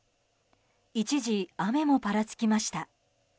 一時、雨もぱらつきました。